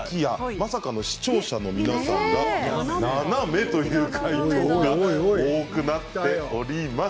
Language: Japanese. まさかの視聴者が斜めという解答が多くなっています。